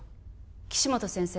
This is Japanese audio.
岸本先生